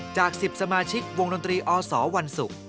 จาก๑๐สมาชิกวงดนตรีอสวันศุกร์